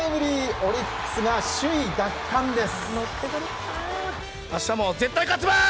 オリックスが首位奪還です。